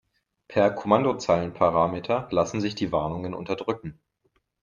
Per Kommandozeilenparameter lassen sich die Warnungen unterdrücken.